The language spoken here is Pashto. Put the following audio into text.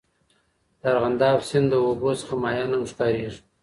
د ارغنداب سیند د اوبو څخه ماهیان هم ښکارېږي.